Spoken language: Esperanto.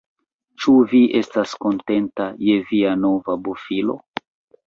Ĉu vi estas kontenta je via nova bofilo?